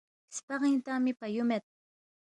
سپغِنگ تنگمی پَیُو مید